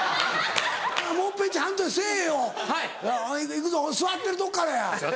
行くぞ座ってるとこからや。